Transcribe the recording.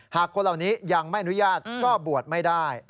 คนเหล่านี้ยังไม่อนุญาตก็บวชไม่ได้